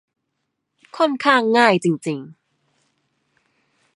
ค่อนข้างง่ายจริง ๆ